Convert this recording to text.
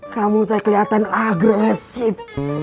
kamu terlihat agresif